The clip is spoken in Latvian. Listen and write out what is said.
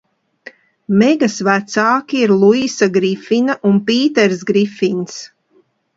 Megas vecāki ir Luisa Grifina un Pīters Grifins.